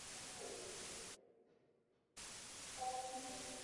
台湾光泽烟管蜗牛为烟管蜗牛科台湾烟管蜗牛属下的一个种。